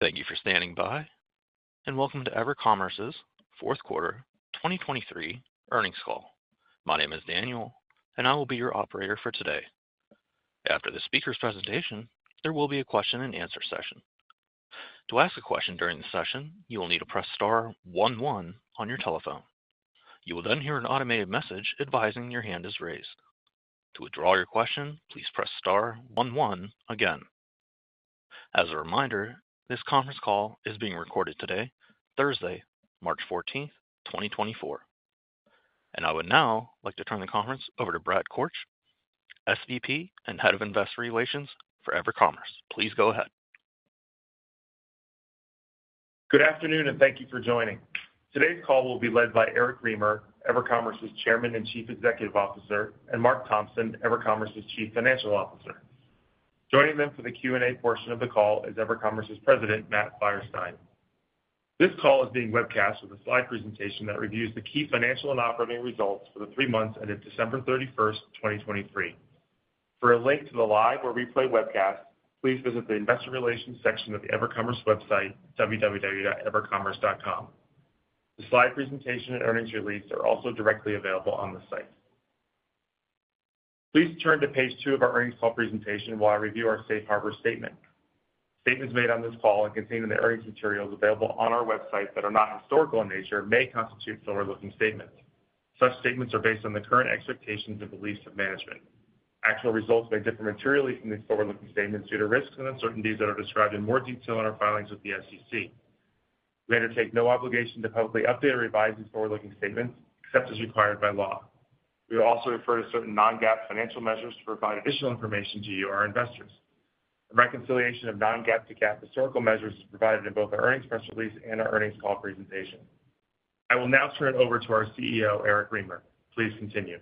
Thank you for standing by, and welcome to EverCommerce's fourth quarter 2023 earnings call. My name is Daniel, and I will be your operator for today. After the speaker's presentation, there will be a question-and-answer session. To ask a question during the session, you will need to press star one one on your telephone. You will then hear an automated message advising your hand is raised. To withdraw your question, please press star 11 again. As a reminder, this conference call is being recorded today, Thursday, March 14, 2024. I would now like to turn the conference over to Brad Korch, SVP and Head of Investor Relations for EverCommerce. Please go ahead. Good afternoon, and thank you for joining. Today's call will be led by Eric Remer, EverCommerce's Chairman and Chief Executive Officer, and Marc Thompson, EverCommerce's Chief Financial Officer. Joining them for the Q&A portion of the call is EverCommerce's President, Matt Feierstein. This call is being webcast with a slide presentation that reviews the key financial and operating results for the three months ended December 31, 2023. For a link to the live or replay webcast, please visit the Investor Relations section of the EverCommerce website, www.evercommerce.com. The slide presentation and earnings release are also directly available on the site. Please turn to page 2 of our earnings call presentation while I review our Safe Harbor Statement. Statements made on this call and containing the earnings materials available on our website that are not historical in nature may constitute forward-looking statements. Such statements are based on the current expectations and beliefs of management. Actual results may differ materially from these forward-looking statements due to risks and uncertainties that are described in more detail in our filings with the SEC. We undertake no obligation to publicly update or revise these forward-looking statements except as required by law. We will also refer to certain non-GAAP financial measures to provide additional information to you or our investors. A reconciliation of non-GAAP-to-GAAP historical measures is provided in both our earnings press release and our earnings call presentation. I will now turn it over to our CEO, Eric Remer. Please continue.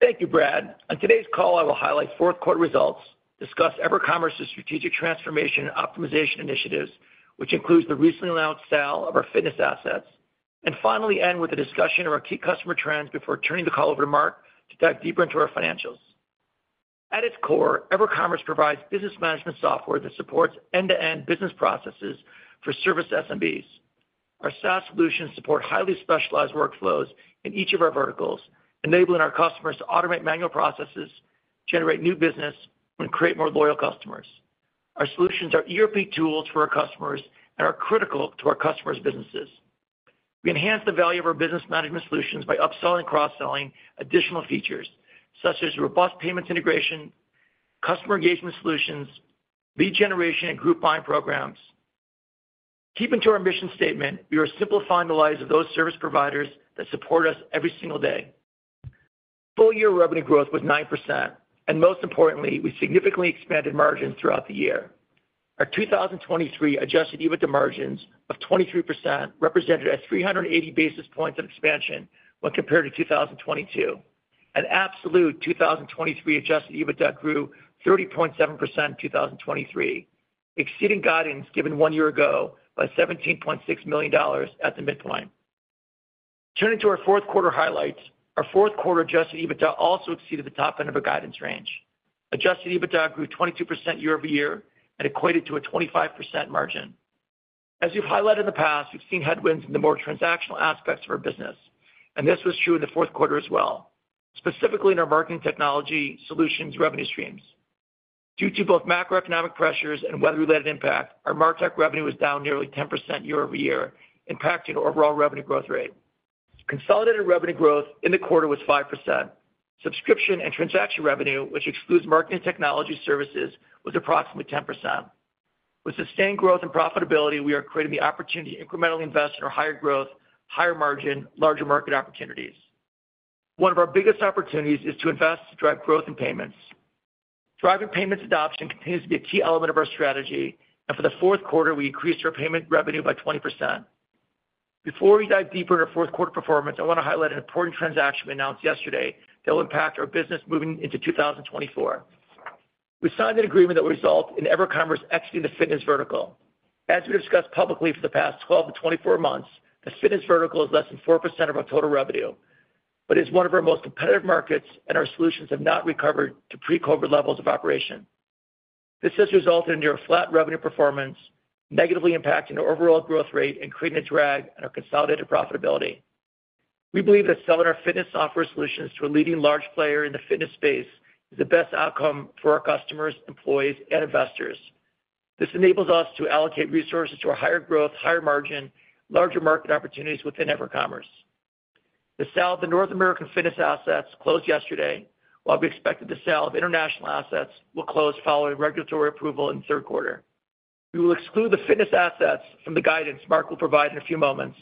Thank you, Brad. On today's call, I will highlight fourth quarter results, discuss EverCommerce's strategic transformation and optimization initiatives, which includes the recently announced sale of our fitness assets, and finally end with a discussion of our key customer trends before turning the call over to Marc to dive deeper into our financials. At its core, EverCommerce provides business management software that supports end-to-end business processes for service SMBs. Our SaaS solutions support highly specialized workflows in each of our verticals, enabling our customers to automate manual processes, generate new business, and create more loyal customers. Our solutions are ERP tools for our customers and are critical to our customers' businesses. We enhance the value of our business management solutions by upselling and cross-selling additional features such as robust payments integration, customer engagement solutions, lead generation, and group buying programs. Keeping to our mission statement, we are simplifying the lives of those service providers that support us every single day. Full-year revenue growth was 9%, and most importantly, we significantly expanded margins throughout the year. Our 2023 Adjusted EBITDA margins of 23% represented a 380 basis points of expansion when compared to 2022. And absolute 2023 Adjusted EBITDA grew 30.7% in 2023, exceeding guidance given one year ago by $17.6 million at the midpoint. Turning to our fourth quarter highlights, our fourth quarter Adjusted EBITDA also exceeded the top end of our guidance range. Adjusted EBITDA grew 22% year-over-year and equated to a 25% margin. As we've highlighted in the past, we've seen headwinds in the more transactional aspects of our business, and this was true in the fourth quarter as well, specifically in our marketing technology solutions revenue streams. Due to both macroeconomic pressures and weather-related impact, our Martech revenue was down nearly 10% year-over-year, impacting our overall revenue growth rate. Consolidated revenue growth in the quarter was 5%. Subscription and transaction revenue, which excludes marketing technology services, was approximately 10%. With sustained growth and profitability, we are creating the opportunity to incrementally invest in our higher growth, higher margin, larger market opportunities. One of our biggest opportunities is to invest to drive growth in payments. Driving payments adoption continues to be a key element of our strategy, and for the fourth quarter, we increased our payment revenue by 20%. Before we dive deeper into our fourth quarter performance, I want to highlight an important transaction we announced yesterday that will impact our business moving into 2024. We signed an agreement that will result in EverCommerce exiting the fitness vertical. As we've discussed publicly for the past 12-24 months, the fitness vertical is less than 4% of our total revenue, but it is one of our most competitive markets, and our solutions have not recovered to pre-COVID levels of operation. This has resulted in near flat revenue performance, negatively impacting our overall growth rate and creating a drag on our consolidated profitability. We believe that selling our fitness software solutions to a leading large player in the fitness space is the best outcome for our customers, employees, and investors. This enables us to allocate resources to our higher growth, higher margin, larger market opportunities within EverCommerce. The sale of the North American fitness assets closed yesterday, while we expect that the sale of international assets will close following regulatory approval in the third quarter. We will exclude the fitness assets from the guidance Marc will provide in a few moments.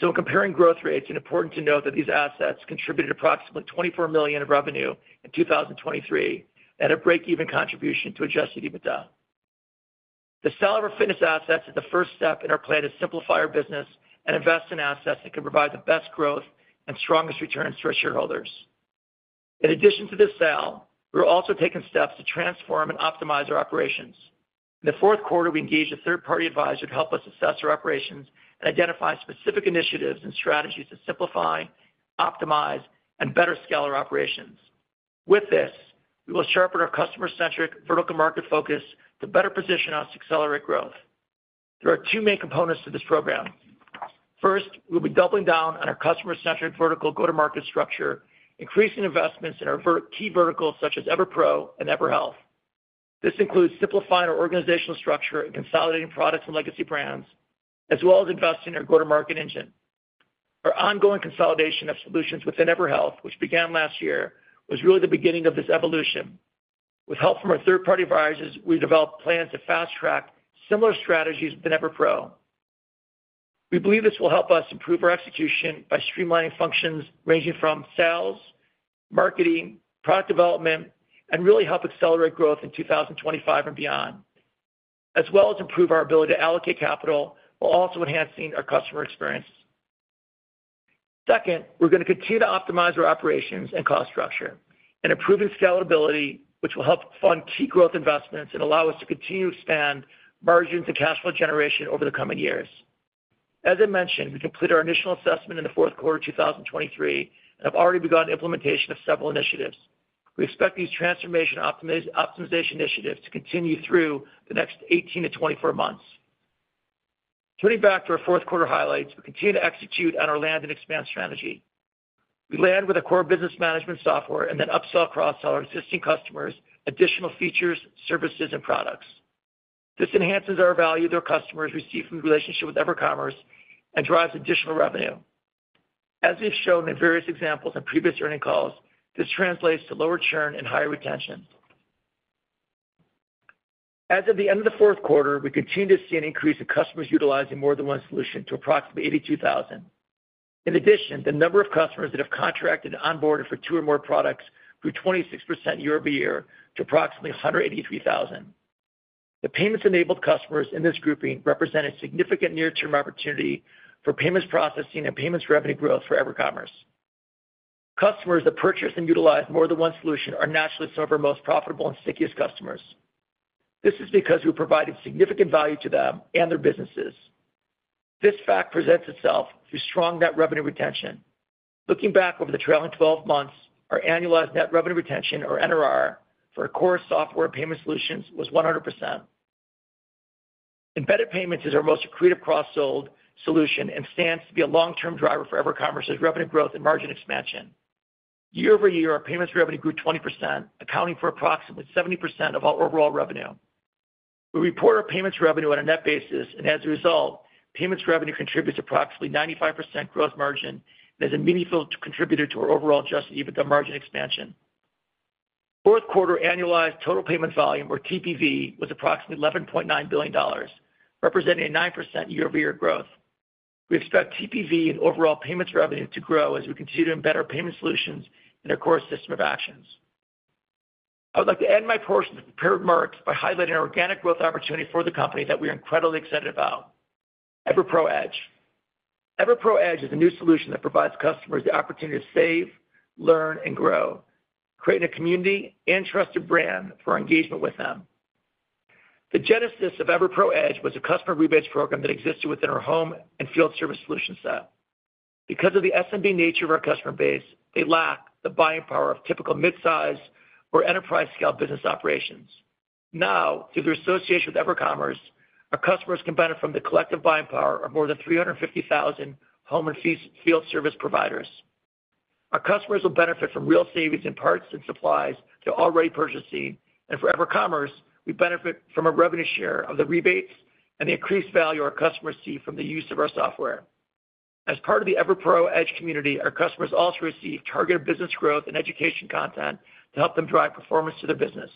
So when comparing growth rates, it's important to note that these assets contributed approximately $24 million of revenue in 2023 and a break-even contribution to Adjusted EBITDA. The sale of our fitness assets is the first step in our plan to simplify our business and invest in assets that can provide the best growth and strongest returns to our shareholders. In addition to this sale, we are also taking steps to transform and optimize our operations. In the fourth quarter, we engaged a third-party advisor to help us assess our operations and identify specific initiatives and strategies to simplify, optimize, and better scale our operations. With this, we will sharpen our customer-centric vertical market focus to better position us to accelerate growth. There are two main components to this program. First, we will be doubling down on our customer-centric vertical go-to-market structure, increasing investments in our key verticals such as EverPro and EverHealth. This includes simplifying our organizational structure and consolidating products and legacy brands, as well as investing in our go-to-market engine. Our ongoing consolidation of solutions within EverHealth, which began last year, was really the beginning of this evolution. With help from our third-party advisors, we developed plans to fast-track similar strategies within EverPro. We believe this will help us improve our execution by streamlining functions ranging from sales, marketing, product development, and really help accelerate growth in 2025 and beyond, as well as improve our ability to allocate capital while also enhancing our customer experience. Second, we're going to continue to optimize our operations and cost structure and improve scalability, which will help fund key growth investments and allow us to continue to expand margins and cash flow generation over the coming years. As I mentioned, we completed our initial assessment in the fourth quarter of 2023 and have already begun implementation of several initiatives. We expect these transformation optimization initiatives to continue through the next 18-24 months. Turning back to our fourth quarter highlights, we continue to execute on our land and expand strategy. We land with our core business management software and then upsell cross-sell our existing customers additional features, services, and products. This enhances our value that our customers receive from the relationship with EverCommerce and drives additional revenue. As we've shown in various examples and previous earnings calls, this translates to lower churn and higher retention. As of the end of the fourth quarter, we continue to see an increase in customers utilizing more than one solution to approximately 82,000. In addition, the number of customers that have contracted and onboarded for two or more products grew 26% year-over-year to approximately 183,000. The payments-enabled customers in this grouping represent a significant near-term opportunity for payments processing and payments revenue growth for EverCommerce. Customers that purchase and utilize more than one solution are naturally some of our most profitable and stickiest customers. This is because we provided significant value to them and their businesses. This fact presents itself through strong net revenue retention. Looking back over the trailing 12 months, our annualized net revenue retention, or NRR, for our core software payment solutions was 100%. Embedded payments is our most creative cross-sold solution and stands to be a long-term driver for EverCommerce's revenue growth and margin expansion. Year-over-year, our payments revenue grew 20%, accounting for approximately 70% of our overall revenue. We report our payments revenue on a net basis, and as a result, payments revenue contributes approximately 95% gross margin and is a meaningful contributor to our overall Adjusted EBITDA margin expansion. Fourth quarter annualized total payments volume, or TPV, was approximately $11.9 billion, representing a 9% year-over-year growth. We expect TPV and overall payments revenue to grow as we continue to embed our payment solutions in our core system of actions. I would like to end my portion to prepare with Marc by highlighting an organic growth opportunity for the company that we are incredibly excited about: EverPro Edge. EverPro Edge is a new solution that provides customers the opportunity to save, learn, and grow, creating a community and trusted brand for our engagement with them. The genesis of EverPro Edge was a customer rebates program that existed within our home and field service solution set. Because of the SMB nature of our customer base, they lack the buying power of typical midsize or enterprise-scale business operations. Now, through their association with EverCommerce, our customers can benefit from the collective buying power of more than 350,000 home and field service providers. Our customers will benefit from real savings in parts and supplies they're already purchasing, and for EverCommerce, we benefit from a revenue share of the rebates and the increased value our customers see from the use of our software. As part of the EverPro Edge community, our customers also receive targeted business growth and education content to help them drive performance to their business.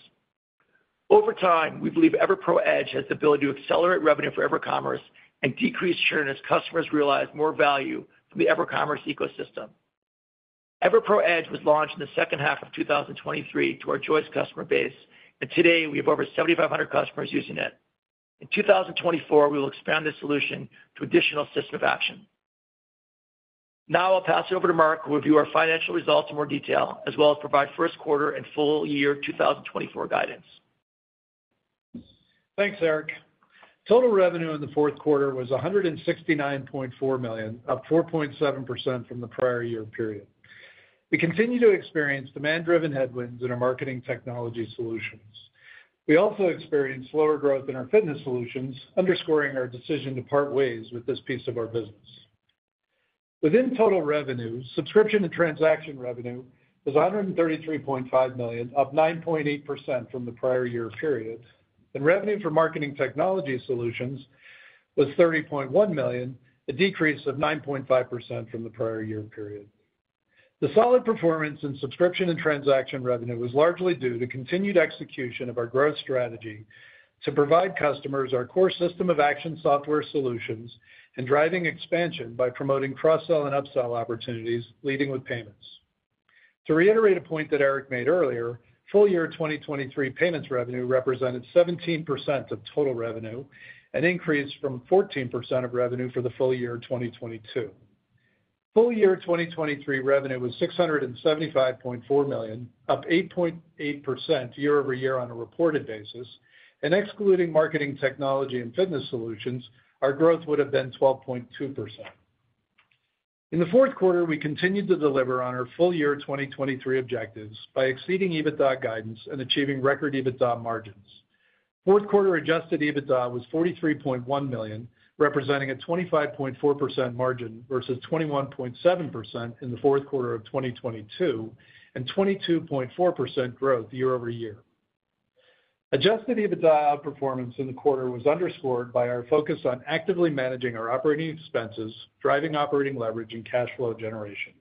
Over time, we believe EverPro Edge has the ability to accelerate revenue for EverCommerce and decrease churn as customers realize more value from the EverCommerce ecosystem. EverPro Edge was launched in the second half of 2023 to our Joist customer base, and today we have over 7,500 customers using it. In 2024, we will expand this solution to an additional system of action. Now I'll pass it over to Marc to review our financial results in more detail, as well as provide first quarter and full year 2024 guidance. Thanks, Eric. Total revenue in the fourth quarter was $169.4 million, up 4.7% from the prior year period. We continue to experience demand-driven headwinds in our marketing technology solutions. We also experience slower growth in our fitness solutions, underscoring our decision to part ways with this piece of our business. Within total revenue, subscription and transaction revenue was $133.5 million, up 9.8% from the prior year period, and revenue for marketing technology solutions was $30.1 million, a decrease of 9.5% from the prior year period. The solid performance in subscription and transaction revenue was largely due to continued execution of our growth strategy to provide customers our core system of action software solutions and driving expansion by promoting cross-sell and upsell opportunities leading with payments. To reiterate a point that Eric made earlier, full year 2023 payments revenue represented 17% of total revenue, an increase from 14% of revenue for the full year 2022. Full year 2023 revenue was $675.4 million, up 8.8% year-over-year on a reported basis, and excluding marketing technology and fitness solutions, our growth would have been 12.2%. In the fourth quarter, we continued to deliver on our full year 2023 objectives by exceeding EBITDA guidance and achieving record EBITDA margins. Fourth quarter adjusted EBITDA was $43.1 million, representing a 25.4% margin versus 21.7% in the fourth quarter of 2022 and 22.4% growth year-over-year. Adjusted EBITDA outperformance in the quarter was underscored by our focus on actively managing our operating expenses, driving operating leverage, and cash flow generation.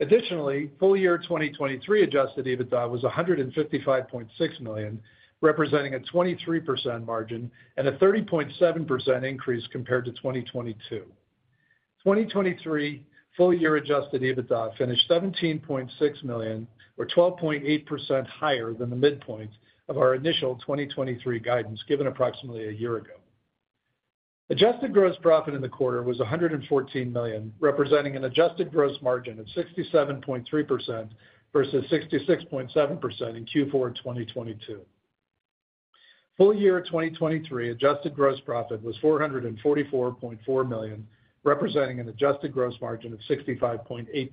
Additionally, full year 2023 adjusted EBITDA was $155.6 million, representing a 23% margin and a 30.7% increase compared to 2022. 2023 full year adjusted EBITDA finished $17.6 million, or 12.8% higher than the midpoint of our initial 2023 guidance given approximately a year ago. Adjusted gross profit in the quarter was $114 million, representing an adjusted gross margin of 67.3% versus 66.7% in Q4 2022. Full year 2023 adjusted gross profit was $444.4 million, representing an adjusted gross margin of 65.8%.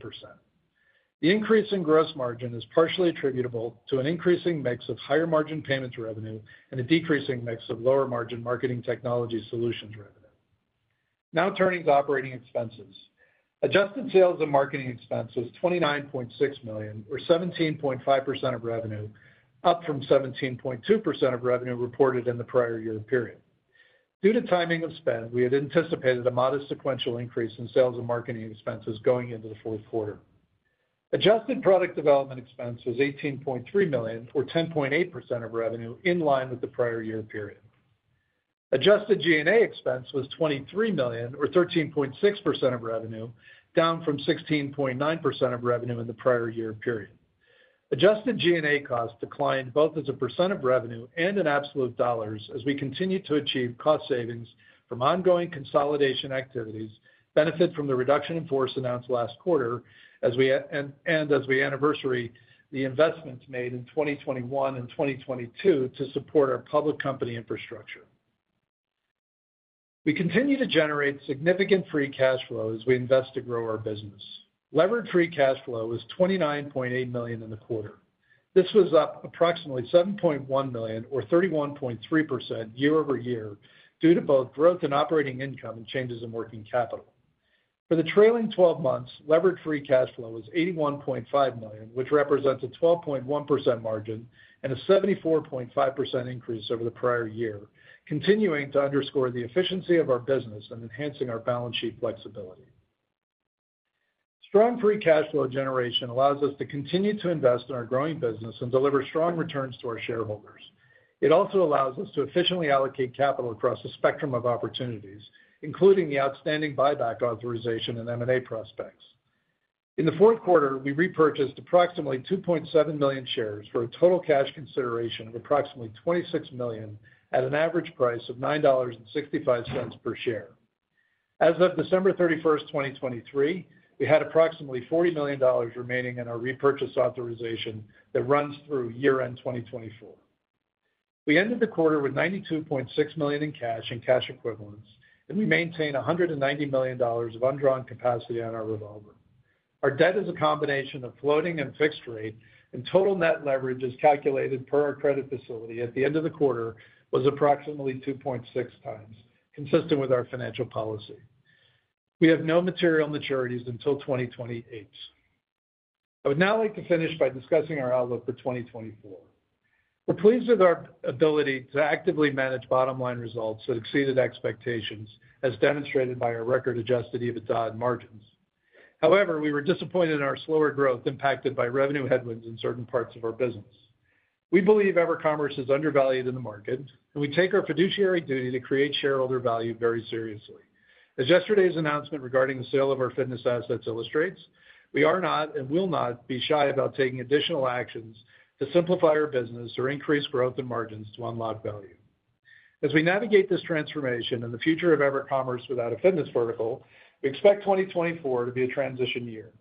The increase in gross margin is partially attributable to an increasing mix of higher margin payments revenue and a decreasing mix of lower margin marketing technology solutions revenue. Now turning to operating expenses. Adjusted sales and marketing expenses were $29.6 million, or 17.5% of revenue, up from 17.2% of revenue reported in the prior year period. Due to timing of spend, we had anticipated a modest sequential increase in sales and marketing expenses going into the fourth quarter. Adjusted product development expense was $18.3 million, or 10.8% of revenue, in line with the prior year period. Adjusted G&A expense was $23 million, or 13.6% of revenue, down from 16.9% of revenue in the prior year period. Adjusted G&A costs declined both as a percent of revenue and in absolute dollars as we continue to achieve cost savings from ongoing consolidation activities benefited from the reduction in force announced last quarter and as we anniversary the investments made in 2021 and 2022 to support our public company infrastructure. We continue to generate significant free cash flow as we invest to grow our business. Leveraged free cash flow was $29.8 million in the quarter. This was up approximately $7.1 million, or 31.3% year-over-year due to both growth in operating income and changes in working capital. For the trailing 12 months, Leveraged Free Cash Flow was $81.5 million, which represents a 12.1% margin and a 74.5% increase over the prior year, continuing to underscore the efficiency of our business and enhancing our balance sheet flexibility. Strong free cash flow generation allows us to continue to invest in our growing business and deliver strong returns to our shareholders. It also allows us to efficiently allocate capital across a spectrum of opportunities, including the outstanding buyback authorization and M&A prospects. In the fourth quarter, we repurchased approximately 2.7 million shares for a total cash consideration of approximately $26 million at an average price of $9.65 per share. As of December 31st, 2023, we had approximately $40 million remaining in our repurchase authorization that runs through year-end 2024. We ended the quarter with $92.6 million in cash and cash equivalents, and we maintain $190 million of undrawn capacity on our revolver. Our debt is a combination of floating and fixed rate, and total net leverage is calculated per our credit facility at the end of the quarter was approximately 2.6x, consistent with our financial policy. We have no material maturities until 2028. I would now like to finish by discussing our outlook for 2024. We're pleased with our ability to actively manage bottom-line results that exceeded expectations, as demonstrated by our record Adjusted EBITDA and margins. However, we were disappointed in our slower growth impacted by revenue headwinds in certain parts of our business. We believe EverCommerce is undervalued in the market, and we take our fiduciary duty to create shareholder value very seriously. As yesterday's announcement regarding the sale of our fitness assets illustrates, we are not and will not be shy about taking additional actions to simplify our business or increase growth and margins to unlock value. As we navigate this transformation and the future of EverCommerce without a fitness vertical, we expect 2024 to be a transition year.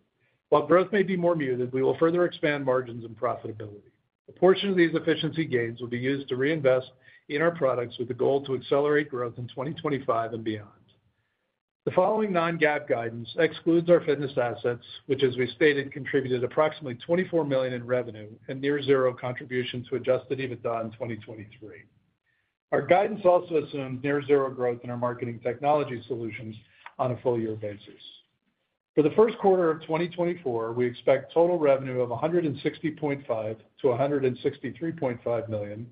While growth may be more muted, we will further expand margins and profitability. A portion of these efficiency gains will be used to reinvest in our products with the goal to accelerate growth in 2025 and beyond. The following non-GAAP guidance excludes our fitness assets, which, as we stated, contributed approximately $24 million in revenue and near-zero contribution to Adjusted EBITDA in 2023. Our guidance also assumed near-zero growth in our marketing technology solutions on a full year basis. For the first quarter of 2024, we expect total revenue of $160.5 million-$163.5 million,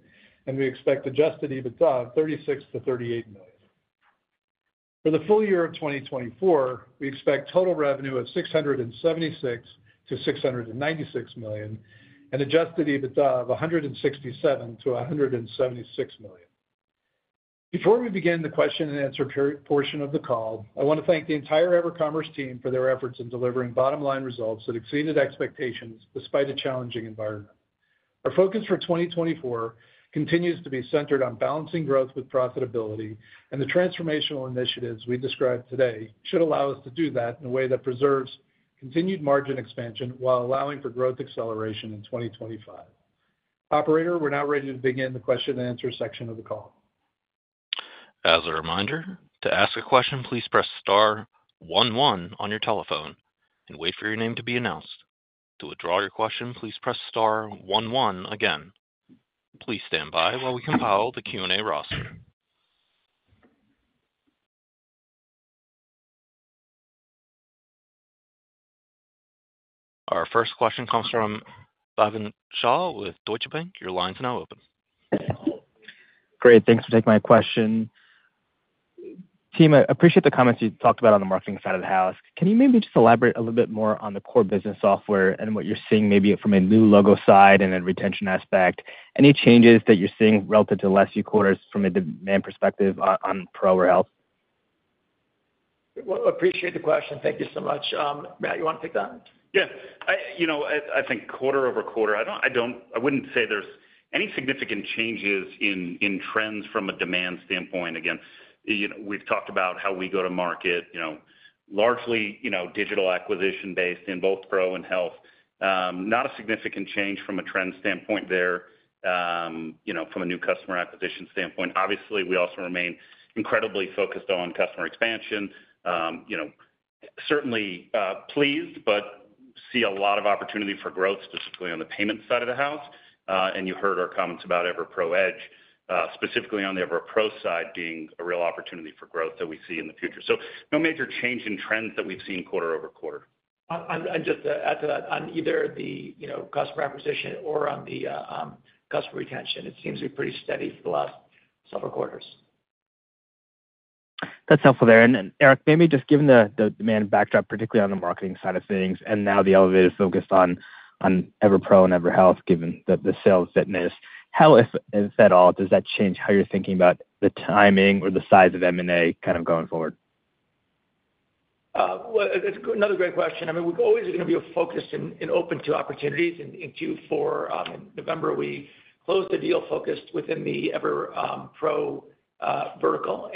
and we expect Adjusted EBITDA of $36 million-$38 million. For the full year of 2024, we expect total revenue of $676 million-$696 million and Adjusted EBITDA of $167 million-$176 million. Before we begin the question and answer portion of the call, I want to thank the entire EverCommerce team for their efforts in delivering bottom-line results that exceeded expectations despite a challenging environment. Our focus for 2024 continues to be centered on balancing growth with profitability, and the transformational initiatives we described today should allow us to do that in a way that preserves continued margin expansion while allowing for growth acceleration in 2025. Operator, we're now ready to begin the question and answer section of the call. As a reminder, to ask a question, please press star one one on your telephone and wait for your name to be announced. To withdraw your question, please press star one one again. Please stand by while we compile the Q&A roster. Our first question comes from Bhavin Shah with Deutsche Bank. Your line's now open. Great. Thanks for taking my question. Team, I appreciate the comments you talked about on the marketing side of the house. Can you maybe just elaborate a little bit more on the core business software and what you're seeing maybe from a new logo side and then retention aspect? Any changes that you're seeing relative to last year quarters from a demand perspective on Pro, Realty? Well, appreciate the question. Thank you so much. Matt, you want to pick that? Yeah. I think quarter over quarter, I wouldn't say there's any significant changes in trends from a demand standpoint. Again, we've talked about how we go to market, largely digital acquisition-based in both EverPro and EverHealth. Not a significant change from a trend standpoint there, from a new customer acquisition standpoint. Obviously, we also remain incredibly focused on customer expansion. Certainly pleased, but see a lot of opportunity for growth specifically on the payments side of the house. And you heard our comments about EverPro Edge, specifically on the EverPro side being a real opportunity for growth that we see in the future. So no major change in trends that we've seen quarter over quarter. Just to add to that, on either the customer acquisition or on the customer retention, it seems to be pretty steady for the last several quarters. That's helpful there. Eric, maybe just given the demand backdrop, particularly on the marketing side of things and now the elevated focus on EverPro and EverHealth given the sale of fitness assets, how, if at all, does that change how you're thinking about the timing or the size of M&A kind of going forward? Well, that's another great question. I mean, we always are going to be focused and open to opportunities in Q4. In November, we closed the deal focused within the EverPro vertical.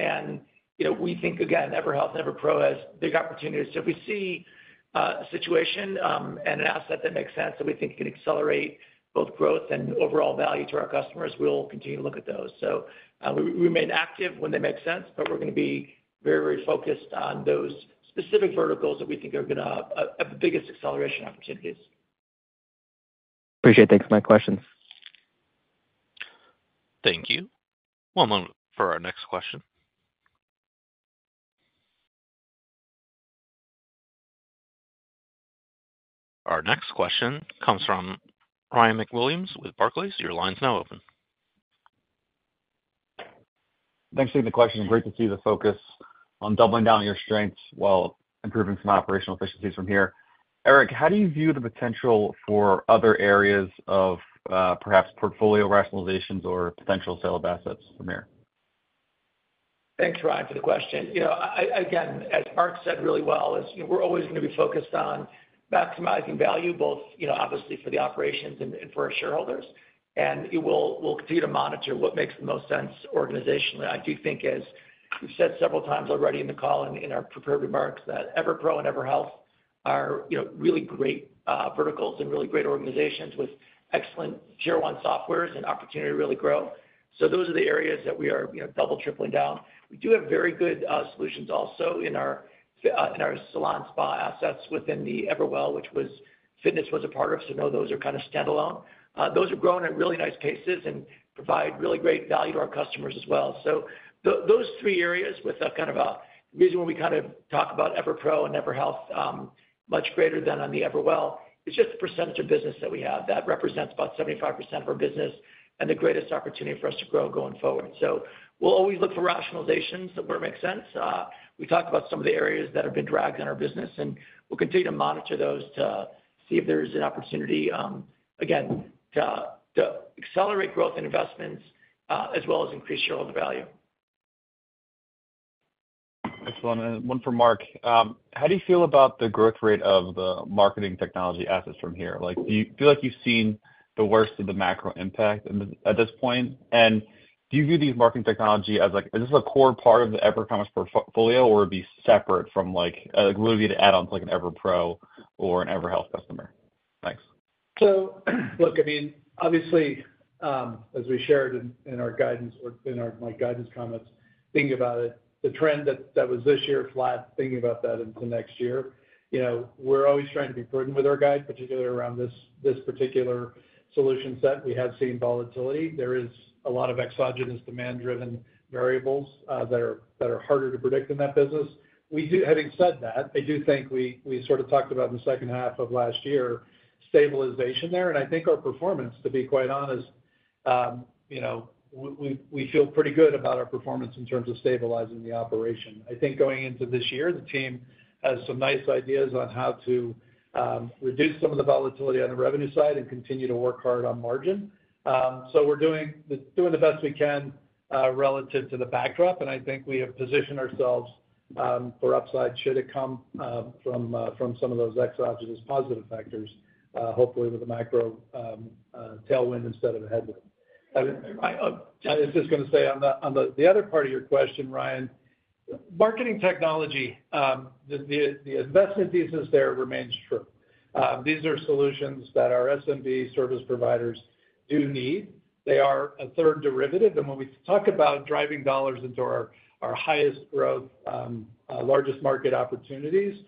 We think, again, EverHealth and EverPro as big opportunities. If we see a situation and an asset that makes sense that we think can accelerate both growth and overall value to our customers, we'll continue to look at those. We remain active when they make sense, but we're going to be very, very focused on those specific verticals that we think are going to have the biggest acceleration opportunities. Appreciate it. Thanks for my questions. Thank you. One moment for our next question. Our next question comes from Ryan MacWilliams with Barclays. Your line's now open. Thanks for taking the question. Great to see the focus on doubling down on your strengths while improving some operational efficiencies from here. Eric, how do you view the potential for other areas of perhaps portfolio rationalizations or potential sale of assets from here? Thanks, Ryan, for the question. Again, as Marc said really well, we're always going to be focused on maximizing value, both obviously for the operations and for our shareholders. And we'll continue to monitor what makes the most sense organizationally. I do think, as we've said several times already in the call and in our prepared remarks, that EverPro and EverHealth are really great verticals and really great organizations with excellent tier-one softwares and opportunity to really grow. So those are the areas that we are doubling, tripling down. We do have very good solutions also in our salon spa assets within the EverWell, which fitness was a part of. So no, those are kind of standalone. Those are growing at really nice paces and provide really great value to our customers as well. So those three areas with kind of a reason why we kind of talk about EverPro and EverHealth much greater than on the EverWell is just the percentage of business that we have. That represents about 75% of our business and the greatest opportunity for us to grow going forward. So we'll always look for rationalizations that where it makes sense. We talked about some of the areas that have been dragged on our business, and we'll continue to monitor those to see if there's an opportunity, again, to accelerate growth and investments as well as increase shareholder value. Excellent. And one from Marc. How do you feel about the growth rate of the marketing technology assets from here? Do you feel like you've seen the worst of the macro impact at this point? And do you view these marketing technology as is this a core part of the EverCommerce portfolio, or would it be separate from would it be an add-on to an EverPro or an EverHealth customer? Thanks. So look, I mean, obviously, as we shared in our guidance or in my guidance comments, thinking about it, the trend that was this year flat, thinking about that into next year, we're always trying to be prudent with our guide, particularly around this particular solution set. We have seen volatility. There is a lot of exogenous demand-driven variables that are harder to predict in that business. Having said that, I do think we sort of talked about in the second half of last year stabilization there. And I think our performance, to be quite honest, we feel pretty good about our performance in terms of stabilizing the operation. I think going into this year, the team has some nice ideas on how to reduce some of the volatility on the revenue side and continue to work hard on margin. So we're doing the best we can relative to the backdrop. And I think we have positioned ourselves for upside should it come from some of those exogenous positive factors, hopefully with a macro tailwind instead of a headwind. I was just going to say on the other part of your question, Ryan, marketing technology, the investment thesis there remains true. These are solutions that our SMB service providers do need. They are a third derivative. And when we talk about driving dollars into our highest growth, largest market opportunities,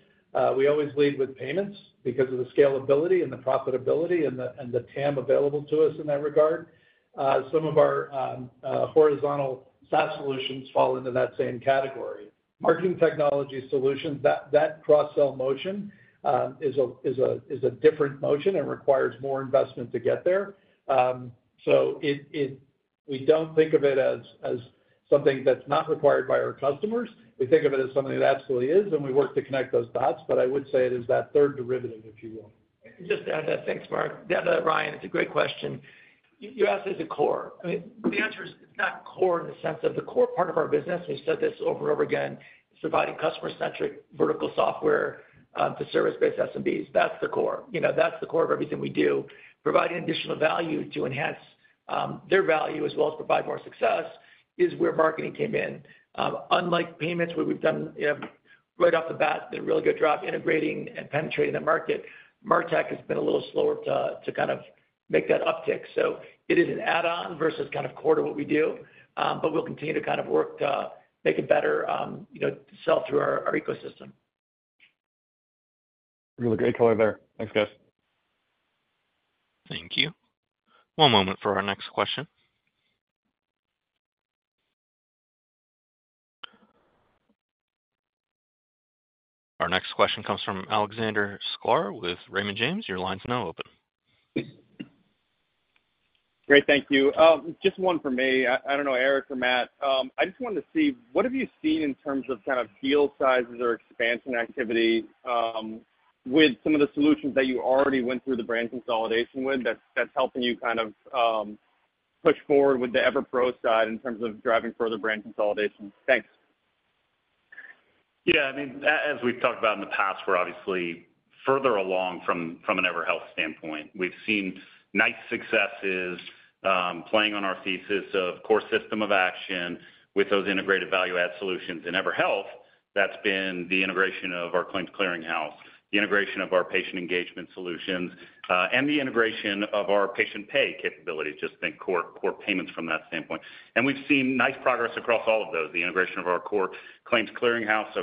we always lead with payments because of the scalability and the profitability and the TAM available to us in that regard. Some of our horizontal SaaS solutions fall into that same category. Marketing technology solutions, that cross-sell motion is a different motion and requires more investment to get there. So we don't think of it as something that's not required by our customers. We think of it as something that absolutely is, and we work to connect those dots. But I would say it is that third derivative, if you will. Just to add to that, thanks, Marc. Yeah, Ryan, it's a great question. You asked it as a core. I mean, the answer is it's not core in the sense of the core part of our business, and we've said this over and over again, is providing customer-centric vertical software to service-based SMBs. That's the core. That's the core of everything we do. Providing additional value to enhance their value as well as provide more success is where marketing came in. Unlike payments, where we've done right off the bat a really good job integrating and penetrating the market, MarTech has been a little slower to kind of make that uptick. So it is an add-on versus kind of core to what we do, but we'll continue to kind of work to make it better to sell through our ecosystem. Really great color there. Thanks, guys. Thank you. One moment for our next question. Our next question comes from Alexander Sklar with Raymond James. Your line's now open. Great. Thank you. Just one from me. I don't know, Eric or Matt. I just wanted to see, what have you seen in terms of kind of deal sizes or expansion activity with some of the solutions that you already went through the brand consolidation with that's helping you kind of push forward with the EverPro side in terms of driving further brand consolidation? Thanks. Yeah. I mean, as we've talked about in the past, we're obviously further along from an EverHealth standpoint. We've seen nice successes playing on our thesis of core system of action with those integrated value-add solutions in EverHealth. That's been the integration of our claims clearing house, the integration of our patient engagement solutions, and the integration of our patient pay capabilities, just think core payments from that standpoint. And we've seen nice progress across all of those. The integration of our core claims clearing house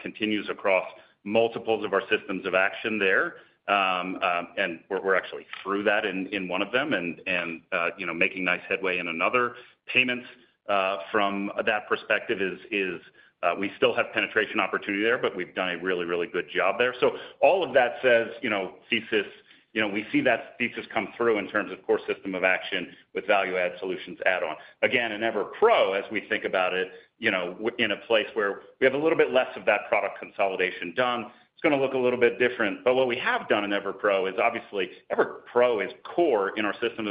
continues across multiples of our systems of action there. And we're actually through that in one of them and making nice headway in another. Payments from that perspective, we still have penetration opportunity there, but we've done a really, really good job there. So all of that says thesis. We see that thesis come through in terms of core system of action with value-add solutions add-on. Again, in EverPro, as we think about it, in a place where we have a little bit less of that product consolidation done, it's going to look a little bit different. But what we have done in EverPro is obviously, EverPro is core in our systems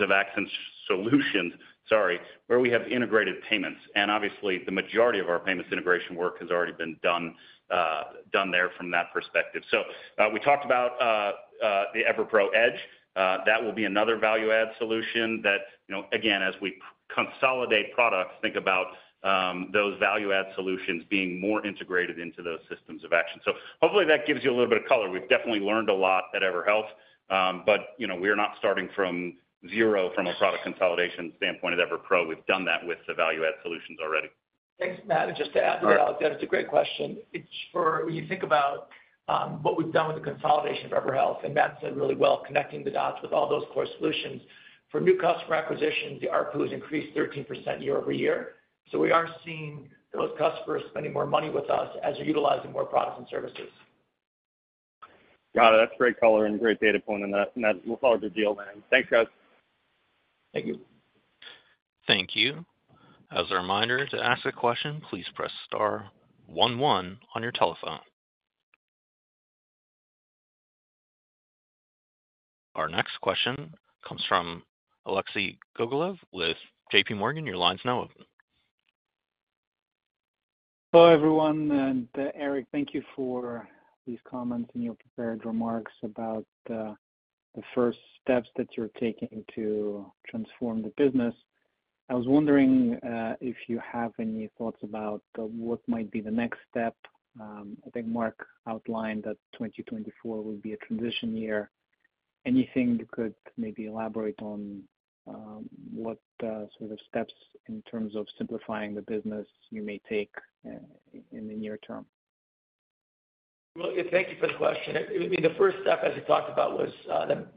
of action solutions, sorry, where we have integrated payments. And obviously, the majority of our payments integration work has already been done there from that perspective. So we talked about the EverPro Edge. That will be another value-add solution that, again, as we consolidate products, think about those value-add solutions being more integrated into those systems of action. So hopefully, that gives you a little bit of color. We've definitely learned a lot at EverHealth, but we are not starting from zero from a product consolidation standpoint at EverPro. We've done that with the value-add solutions already. Thanks, Matt. Just to add to that, Alexander, it's a great question. When you think about what we've done with the consolidation of EverHealth, and Matt said really well, connecting the dots with all those core solutions, for new customer acquisitions, the ARPU has increased 13% year-over-year. So we are seeing those customers spending more money with us as they're utilizing more products and services. Got it. That's great color and great data point on that. Matt, we'll follow up your deal then. Thanks, guys. Thank you. Thank you. As a reminder, to ask a question, please press star one one on your telephone. Our next question comes from Alexei Gogolev with JPMorgan. Your line's now open. Hello, everyone. And Eric, thank you for these comments and your prepared remarks about the first steps that you're taking to transform the business. I was wondering if you have any thoughts about what might be the next step. I think Marc outlined that 2024 will be a transition year. Anything you could maybe elaborate on what sort of steps in terms of simplifying the business you may take in the near term? Well, thank you for the question. I mean, the first step, as we talked about, was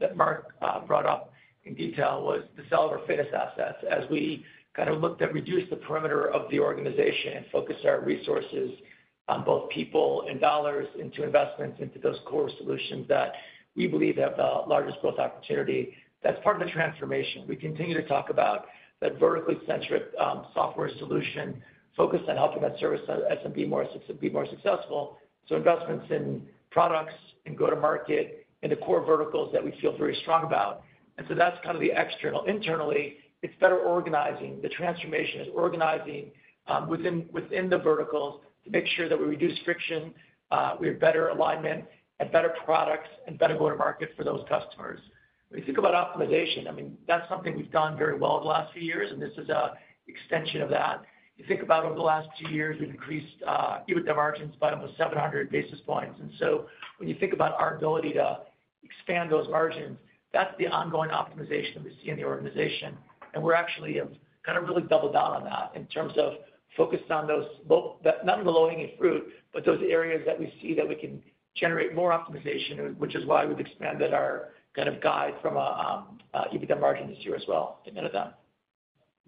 that Marc brought up in detail, was to sell our fitness assets as we kind of looked at reducing the perimeter of the organization and focused our resources on both people and dollars into investments into those core solutions that we believe have the largest growth opportunity. That's part of the transformation. We continue to talk about that vertically-centric software solution focused on helping that service SMB be more successful. So investments in products and go-to-market and the core verticals that we feel very strong about. And so that's kind of the external. Internally, it's better organizing. The transformation is organizing within the verticals to make sure that we reduce friction, we have better alignment, and better products and better go-to-market for those customers. When you think about optimization, I mean, that's something we've done very well over the last few years, and this is an extension of that. You think about over the last two years, we've increased EBITDA margins by almost 700 basis points. And so when you think about our ability to expand those margins, that's the ongoing optimization that we see in the organization. And we're actually kind of really doubled down on that in terms of focusing on those not on the low-hanging fruit, but those areas that we see that we can generate more optimization, which is why we've expanded our kind of guide from EBITDA margin this year as well in that area.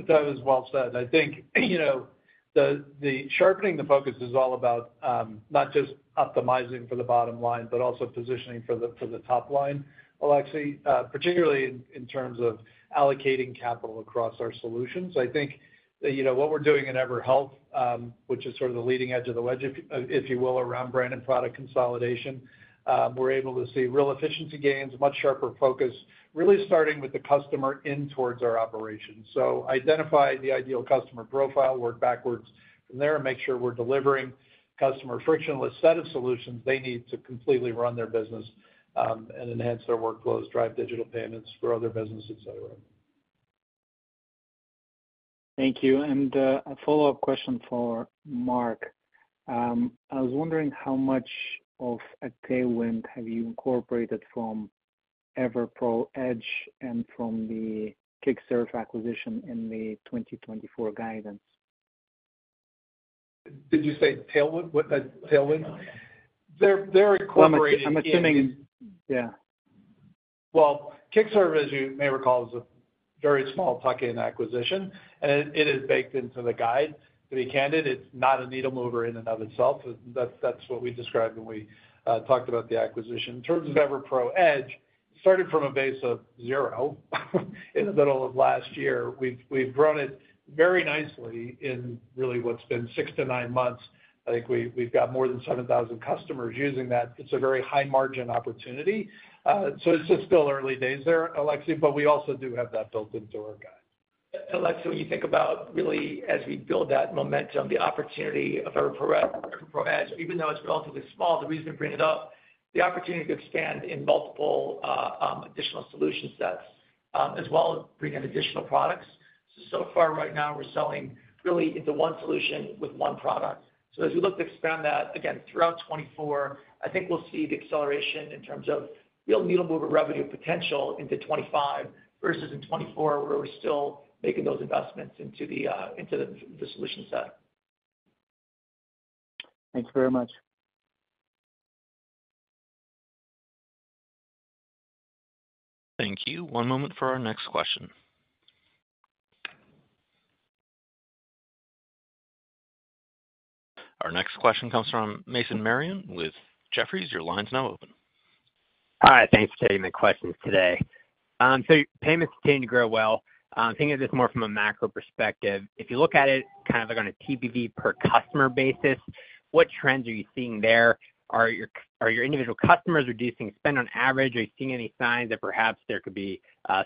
That is well said. I think the sharpening the focus is all about not just optimizing for the bottom line, but also positioning for the top line, Alexei, particularly in terms of allocating capital across our solutions. I think what we're doing in EverHealth, which is sort of the leading edge of the wedge, if you will, around brand and product consolidation, we're able to see real efficiency gains, much sharper focus, really starting with the customer in towards our operations. So identify the ideal customer profile, work backwards from there, and make sure we're delivering customer-frictionless set of solutions they need to completely run their business and enhance their workflows, drive digital payments for other businesses, etc. Thank you. A follow-up question for Marc. I was wondering how much of a tailwind have you incorporated from EverPro Edge and from the Kickserv acquisition in the 2024 guidance? Did you say tailwind? They're incorporating in. I'm assuming, yeah. Well, Kickserv, as you may recall, is a very small tuck-in acquisition, and it is baked into the guide. To be candid, it's not a needle mover in and of itself. That's what we described when we talked about the acquisition. In terms of EverPro Edge, it started from a base of zero in the middle of last year. We've grown it very nicely in really what's been 6-9 months. I think we've got more than 7,000 customers using that. It's a very high-margin opportunity. So it's just still early days there, Alexei, but we also do have that built into our guide. Alexei, when you think about really as we build that momentum, the opportunity of EverPro Edge, even though it's relatively small, the reason we bring it up, the opportunity to expand in multiple additional solution sets as well as bringing in additional products. So far right now, we're selling really into one solution with one product. So as we look to expand that, again, throughout 2024, I think we'll see the acceleration in terms of real needle mover revenue potential into 2025 versus in 2024 where we're still making those investments into the solution set. Thank you very much. Thank you. One moment for our next question. Our next question comes from Mason Marion with Jefferies. Your line's now open. Hi. Thanks for taking the questions today. Payments continue to grow well. Thinking of this more from a macro perspective, if you look at it kind of like on a TPV per customer basis, what trends are you seeing there? Are your individual customers reducing spend on average? Are you seeing any signs that perhaps there could be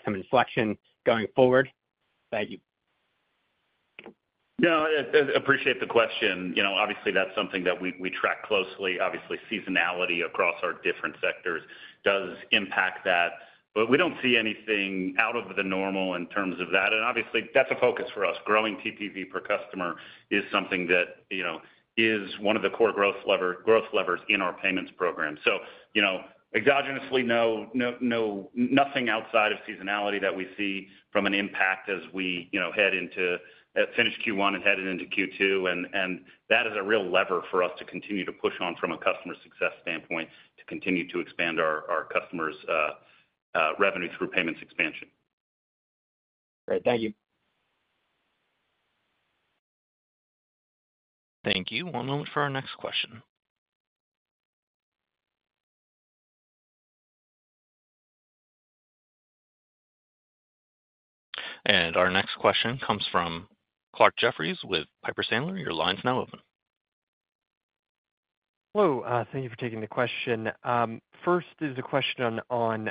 some inflection going forward? Thank you. No, I appreciate the question. Obviously, that's something that we track closely. Obviously, seasonality across our different sectors does impact that, but we don't see anything out of the normal in terms of that. Obviously, that's a focus for us. Growing TPV per customer is something that is one of the core growth levers in our payments program. Exogenously, nothing outside of seasonality that we see from an impact as we head into finish Q1 and headed into Q2. That is a real lever for us to continue to push on from a customer success standpoint to continue to expand our customers' revenue through payments expansion. Great. Thank you. Thank you. One moment for our next question. Our next question comes from Clarke Jeffries with Piper Sandler. Your line's now open. Hello. Thank you for taking the question. First is a question on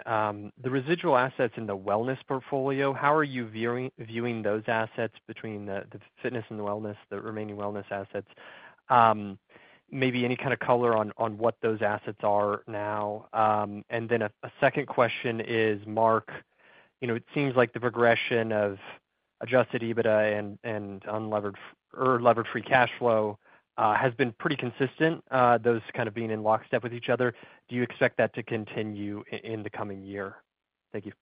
the residual assets in the wellness portfolio. How are you viewing those assets between the fitness and the wellness, the remaining wellness assets? Maybe any kind of color on what those assets are now. And then a second question is, Marc, it seems like the progression of Adjusted EBITDA and unlevered or levered free cash flow has been pretty consistent, those kind of being in lockstep with each other. Do you expect that to continue in the coming year? Thank you.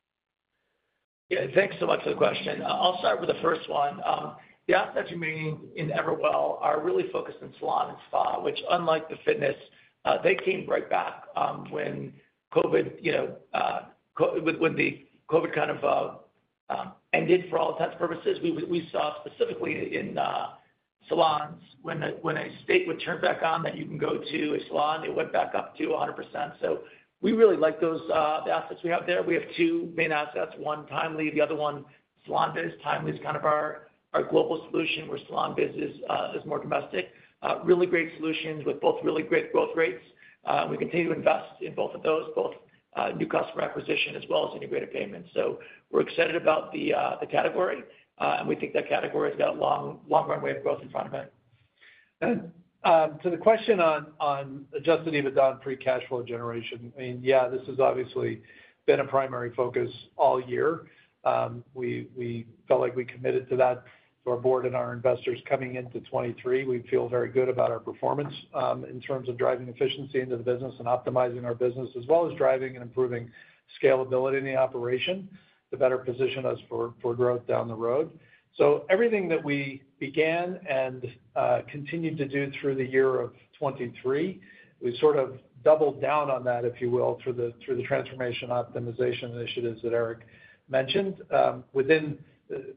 Yeah. Thanks so much for the question. I'll start with the first one. The assets remaining in EverWell are really focused on salon and spa, which, unlike the fitness, they came right back when COVID when the COVID kind of ended for all intents and purposes. We saw specifically in salons when a state would turn back on that you can go to a salon, it went back up to 100%. So we really like the assets we have there. We have two main assets. One Timely, the other one SalonBiz. Timely is kind of our global solution where SalonBiz is more domestic. Really great solutions with both really great growth rates. We continue to invest in both of those, both new customer acquisition as well as integrated payments. We're excited about the category, and we think that category has got a long runway of growth in front of it. To the question on Adjusted EBITDA on free cash flow generation, I mean, yeah, this has obviously been a primary focus all year. We felt like we committed to that to our board and our investors coming into 2023. We feel very good about our performance in terms of driving efficiency into the business and optimizing our business as well as driving and improving scalability in the operation to better position us for growth down the road. So everything that we began and continued to do through the year of 2023, we sort of doubled down on that, if you will, through the transformation optimization initiatives that Eric mentioned.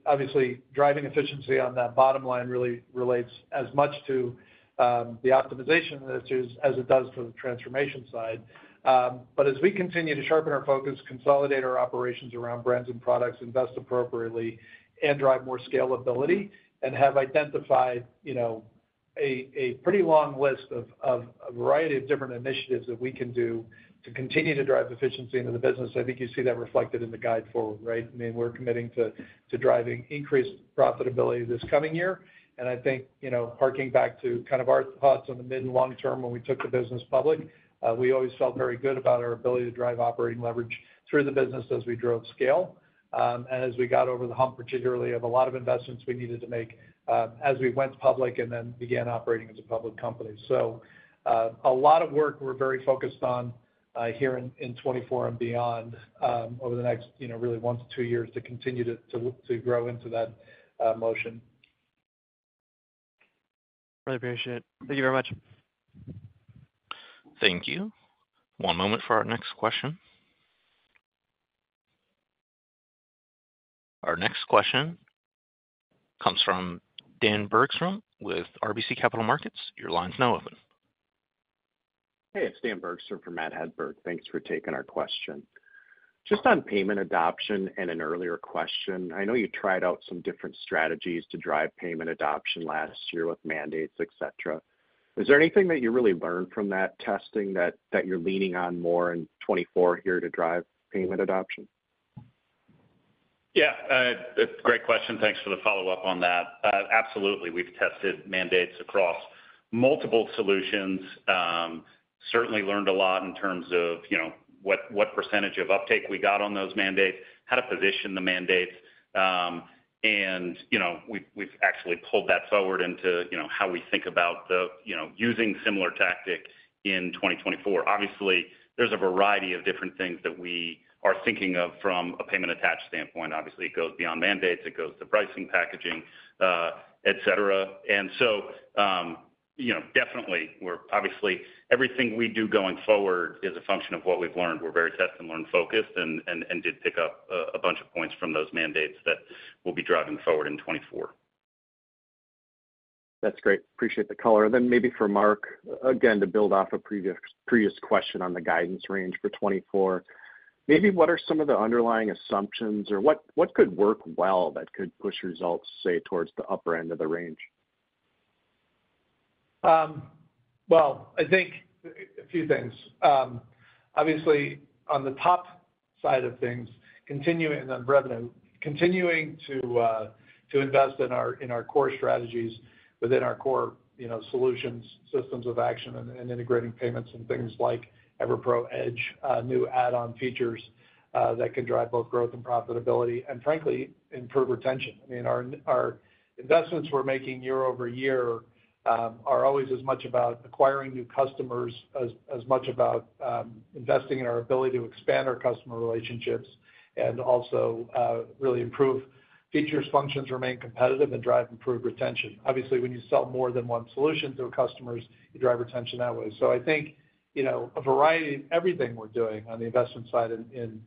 Obviously, driving efficiency on that bottom line really relates as much to the optimization initiatives as it does to the transformation side. But as we continue to sharpen our focus, consolidate our operations around brands and products, invest appropriately, and drive more scalability, and have identified a pretty long list of a variety of different initiatives that we can do to continue to drive efficiency into the business, I think you see that reflected in the guide forward, right? I mean, we're committing to driving increased profitability this coming year. And I think harking back to kind of our thoughts on the mid and long term when we took the business public, we always felt very good about our ability to drive operating leverage through the business as we drove scale. And as we got over the hump, particularly of a lot of investments we needed to make as we went public and then began operating as a public company. A lot of work we're very focused on here in 2024 and beyond over the next really 1-2 years to continue to grow into that motion. Really appreciate it. Thank you very much. Thank you. One moment for our next question. Our next question comes from Dan Bergstrom with RBC Capital Markets. Your line's now open. Hey. It's Dan Bergstrom for Matt Hedberg. Thanks for taking our question. Just on payment adoption and an earlier question, I know you tried out some different strategies to drive payment adoption last year with mandates, etc. Is there anything that you really learned from that testing that you're leaning on more in 2024 here to drive payment adoption? Yeah. Great question. Thanks for the follow-up on that. Absolutely. We've tested mandates across multiple solutions, certainly learned a lot in terms of what percentage of uptake we got on those mandates, how to position the mandates. And we've actually pulled that forward into how we think about using similar tactics in 2024. Obviously, there's a variety of different things that we are thinking of from a payment-attached standpoint. Obviously, it goes beyond mandates. It goes to pricing packaging, etc. And so definitely, obviously, everything we do going forward is a function of what we've learned. We're very test-and-learn focused and did pick up a bunch of points from those mandates that we'll be driving forward in 2024. That's great. Appreciate the color. And then maybe for Marc, again, to build off a previous question on the guidance range for 2024, maybe what are some of the underlying assumptions or what could work well that could push results, say, towards the upper end of the range? Well, I think a few things. Obviously, on the top side of things, continuing on revenue, continuing to invest in our core strategies within our core solutions, systems of action, and integrating payments and things like EverPro Edge, new add-on features that can drive both growth and profitability and, frankly, improve retention. I mean, our investments we're making year-over-year are always as much about acquiring new customers as much about investing in our ability to expand our customer relationships and also really improve features, functions, remain competitive, and drive improved retention. Obviously, when you sell more than one solution to customers, you drive retention that way. So I think a variety of everything we're doing on the investment side in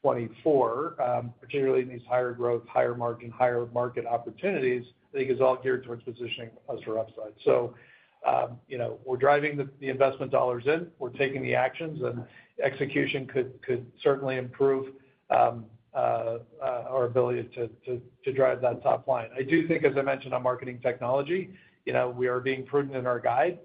2024, particularly in these higher growth, higher margin, higher market opportunities, I think is all geared towards positioning us for upside. So we're driving the investment dollars in. We're taking the actions, and execution could certainly improve our ability to drive that top line. I do think, as I mentioned on marketing technology, we are being prudent in our guide.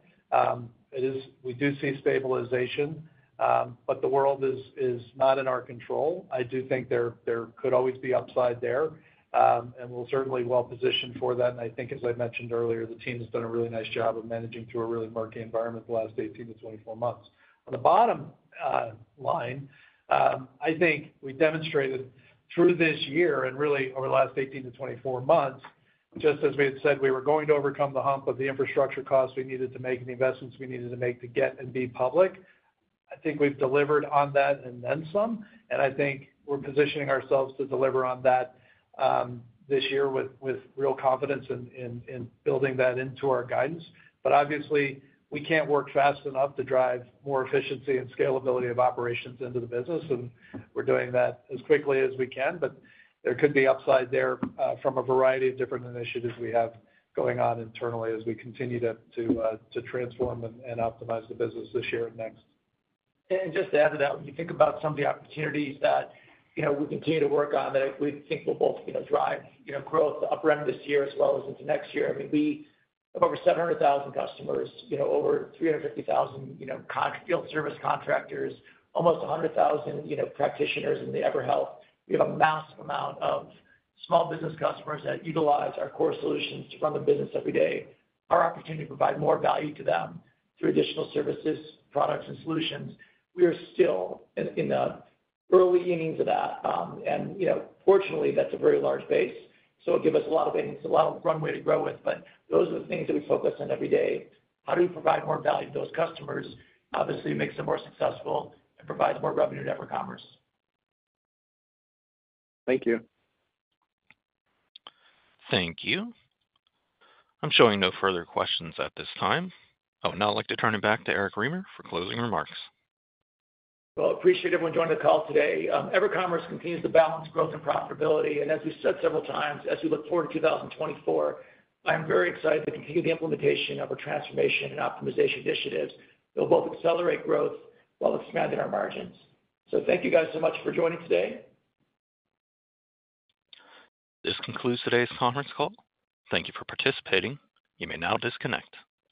We do see stabilization, but the world is not in our control. I do think there could always be upside there, and we'll certainly well position for that. And I think, as I mentioned earlier, the team has done a really nice job of managing through a really murky environment the last 18-24 months. On the bottom line, I think we demonstrated through this year and really over the last 18-24 months, just as we had said, we were going to overcome the hump of the infrastructure costs we needed to make, the investments we needed to make to get and be public. I think we've delivered on that and then some. And I think we're positioning ourselves to deliver on that this year with real confidence in building that into our guidance. But obviously, we can't work fast enough to drive more efficiency and scalability of operations into the business. And we're doing that as quickly as we can. But there could be upside there from a variety of different initiatives we have going on internally as we continue to transform and optimize the business this year and next. And just to add to that, when you think about some of the opportunities that we continue to work on that we think will both drive growth upend this year as well as into next year, I mean, we have over 700,000 customers, over 350,000 field service contractors, almost 100,000 practitioners in the EverHealth. We have a massive amount of small business customers that utilize our core solutions to run the business every day. Our opportunity to provide more value to them through additional services, products, and solutions; we are still in the early innings of that. And fortunately, that's a very large base. So it'll give us a lot of bidding, so a lot of runway to grow with. But those are the things that we focus on every day. How do we provide more value to those customers? Obviously, it makes them more successful and provides more revenue to EverCommerce. Thank you. Thank you. I'm showing no further questions at this time. Oh, now I'd like to turn it back to Eric Remer for closing remarks. Well, appreciate everyone joining the call today. EverCommerce continues to balance growth and profitability. As we've said several times, as we look forward to 2024, I am very excited to continue the implementation of our transformation and optimization initiatives that will both accelerate growth while expanding our margins. Thank you guys so much for joining today. This concludes today's conference call. Thank you for participating. You may now disconnect.